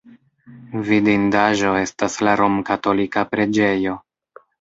Vidindaĵo estas la romkatolika preĝejo.